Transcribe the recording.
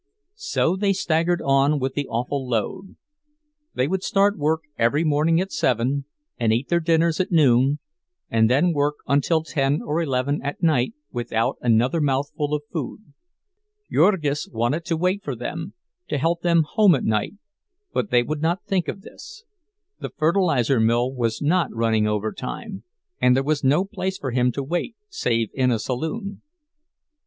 So they staggered on with the awful load. They would start work every morning at seven, and eat their dinners at noon, and then work until ten or eleven at night without another mouthful of food. Jurgis wanted to wait for them, to help them home at night, but they would not think of this; the fertilizer mill was not running overtime, and there was no place for him to wait save in a saloon.